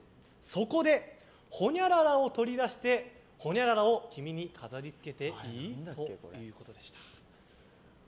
そこで、ほにゃららを取り出してほにゃららを君に飾り付けていい？ということでした。